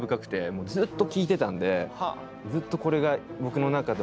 もうずっと聴いてたんでずっとこれがなるほど！